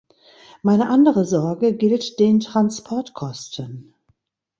Meine andere Sorge gilt den Transportkosten.